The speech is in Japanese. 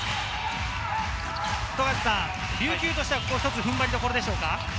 琉球としては踏ん張りどころでしょうか？